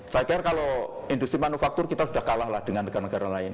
saya kira kalau industri manufaktur kita sudah kalah dengan negara negara lain